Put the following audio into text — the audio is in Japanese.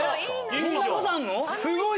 そんな事あんの？